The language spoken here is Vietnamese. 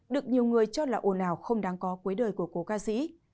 được nhiều người cho là ồn ào không đáng có cuối đời của cố ca sĩ